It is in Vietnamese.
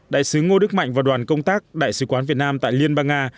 đại sứ ngô đức mạnh và đoàn công tác đại sứ quán việt nam tại liên bang nga